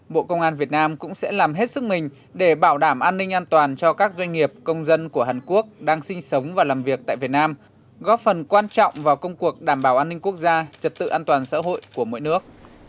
bộ công an việt nam cũng sẽ làm hết sức mình để bảo đảm an ninh an toàn cho các doanh nghiệp công dân của hàn quốc đang sinh sống và làm việc tại việt nam góp phần quan trọng vào công cuộc đảm bảo an ninh quốc gia trật tự an toàn xã hội của mỗi nước